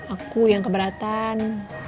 aku yang keberatan